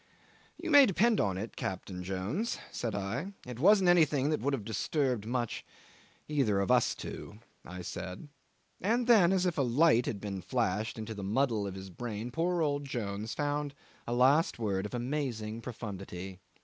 '"You may depend on it, Captain Jones," said I, "it wasn't anything that would have disturbed much either of us two," I said; and then, as if a light had been flashed into the muddle of his brain, poor old Jones found a last word of amazing profundity.